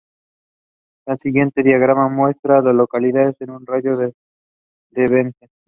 El siguiente diagrama muestra a las localidades en un radio de de Vance.